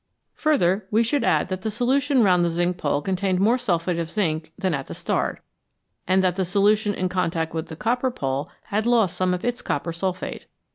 Further, we should find that the solution round the zinc pole contained more sulphate of zinc than at the start, and that the solution in contact with the copper pole had lost some of its copper sulphate.